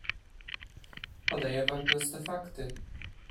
"Podaję wam proste fakty."